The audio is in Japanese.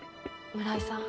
村井さん